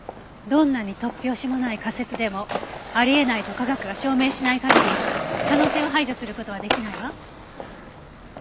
どんなに突拍子もない仮説でもあり得ないと科学が証明しない限り可能性を排除する事はできないわ。